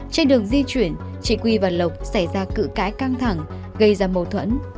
trên đường di chuyển chị quy và lộc xảy ra cự cãi căng thẳng gây ra mâu thuẫn